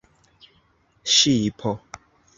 ŝipo